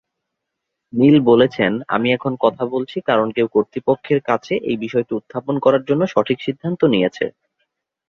নিল বলেছেন: "আমি এখন কথা বলছি কারণ কেউ কর্তৃপক্ষের কাছে এই বিষয়টি উত্থাপন করার জন্য সঠিক সিদ্ধান্ত নিয়েছে"।